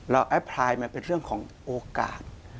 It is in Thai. แอปพลายมันเป็นเรื่องของโอกาส